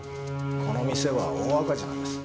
この店は大赤字なんです。